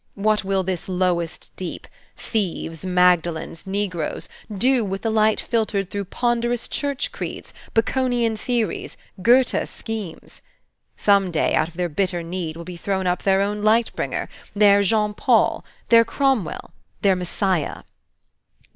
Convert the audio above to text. What will this lowest deep thieves, Magdalens, negroes do with the light filtered through ponderous Church creeds, Baconian theories, Goethe schemes? Some day, out of their bitter need will be thrown up their own light bringer, their Jean Paul, their Cromwell, their Messiah."